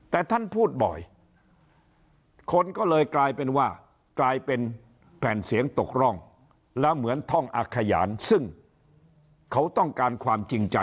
แต่ท่านพูดบ่อยคนก็เลยกลายเป็นว่า